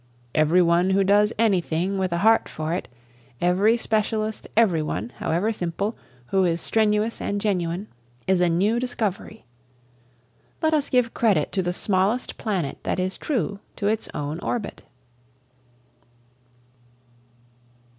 Every one who does anything with a heart for it, every specialist every one, however simple, who is strenuous and genuine, is a "new discovery." Let us give credit to the smallest planet that is true to its own orbit.